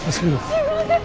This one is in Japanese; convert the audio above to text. すいません。